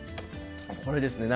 これですね。